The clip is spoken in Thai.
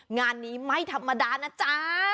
งานนี้ไม่ธรรมดานะจ๊ะ